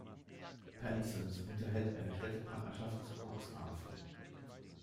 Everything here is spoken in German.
Penzance unterhält eine Städtepartnerschaft zu Cuxhaven.